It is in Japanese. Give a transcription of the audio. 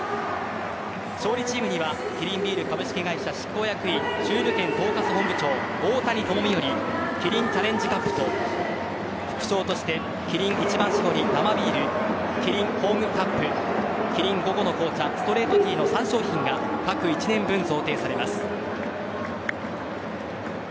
勝利チームにはキリンビール株式会社執行役員中部圏統括本部長・大谷知己よりキリンチャレンジカップと副賞としてキリン一番搾り生ビールキリンホームタップキリン午後の紅茶ストレートティーの３商品が各１年分、贈呈されます。